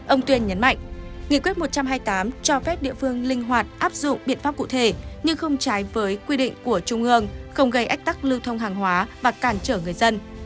ông tuyên nhấn mạnh nghị quyết một trăm hai mươi tám cho phép địa phương linh hoạt áp dụng biện pháp cụ thể nhưng không trái với quy định của trung ương không gây ách tắc lưu thông hàng hóa và cản trở người dân